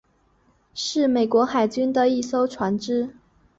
是美国海军的一艘船只。